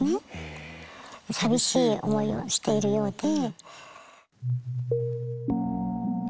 寂しい思いをしているようで。